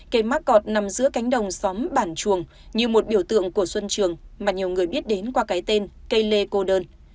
cây mắc cọt nằm giữa cánh đồng xóm bản chuồng như một biểu tượng của xuân trường mà nhiều người biết đến qua cái tên cây lê cô đơn